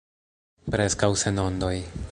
Preskaŭ sen ondoj.